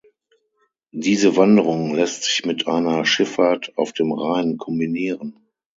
Diese Wanderung lässt sich mit einer Schifffahrt auf dem Rhein kombinieren.